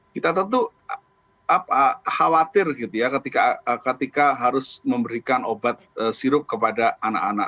kita tentu khawatir gitu ya ketika harus memberikan obat sirup kepada anak anak